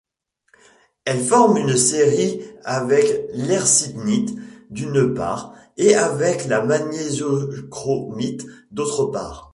Elle forme une série avec l’hercynite d'une part et avec la magnésiochromite d'autre part.